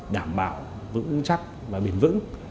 đảm bảo vững chắc và bền vững